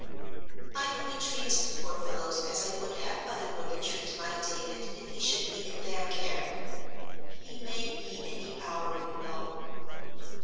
"I only treat the poor fellows as I would have other women treat my David if he should be in their care. He may be any hour, you know."